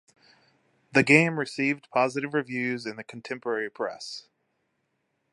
The game received positive reviews in the contemporary press.